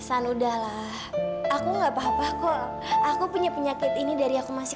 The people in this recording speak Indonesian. enggak akan nyelesain masalah